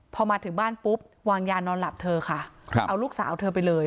พอมาถึงบ้านปุ๊บวางยานอนหลับเธอค่ะเอาลูกสาวเธอไปเลย